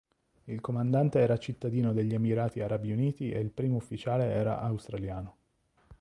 Il comandante era cittadino degli Emirati Arabi Uniti e il primo ufficiale era australiano.